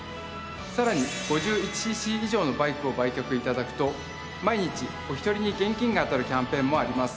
さらに５１シーシー以上のバイクを売却頂くと毎日お一人に現金が当たるキャンペーンもあります。